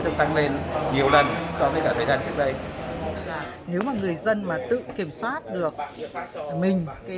xảy ra nhiều lần so với cả thời gian trước đây nếu mà người dân mà tự kiểm soát được mình cái